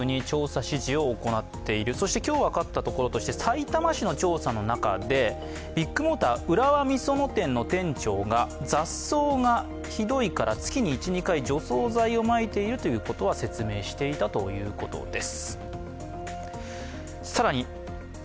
さいたま市の調査の中でビッグモーター浦和美園店の店長が雑草がひどいから月に１２回除草剤をまいているということは説明していたということです。